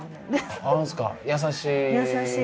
優しい？